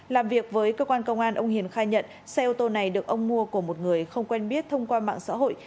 làm việc với cơ quan công an ông hiền khai nhận xe ô tô này được ông mua của một người không quen biết thông qua mạng xã hội